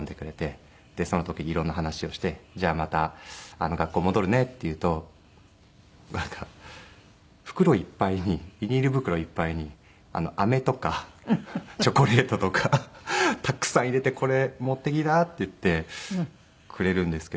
でその時色んな話をして「じゃあまた学校戻るね」って言うとなんか袋いっぱいにビニール袋いっぱいにアメとかチョコレートとかたくさん入れて「これ持っていきな」って言ってくれるんですけど。